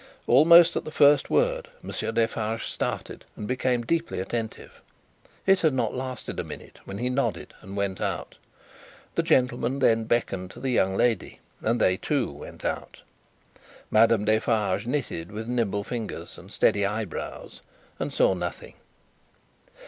Almost at the first word, Monsieur Defarge started and became deeply attentive. It had not lasted a minute, when he nodded and went out. The gentleman then beckoned to the young lady, and they, too, went out. Madame Defarge knitted with nimble fingers and steady eyebrows, and saw nothing.